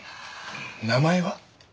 名前は？